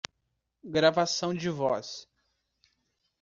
Gravação de voz.